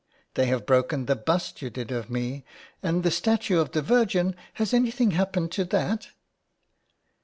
They have broken the bust you did of me. And the statue of the Virgin — has anything happened to that